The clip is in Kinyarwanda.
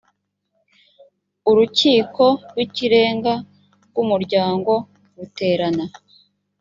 urukiko rw ikirenga rw umuryango ruterana